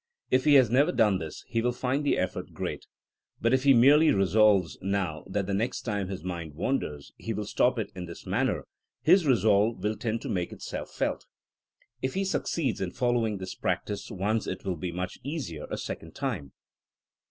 If he has never done this he will find the effort great. But if he merely resolves now that the next time his mind wanders he will stop it in this manner, his resolve will tend to make itself felt. If he succeeds in following this practice once it wiU be much easier a second time.